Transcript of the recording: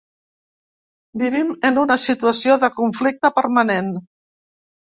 Vivim en una situació de conflicte permanent.